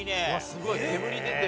すごい煙出てる。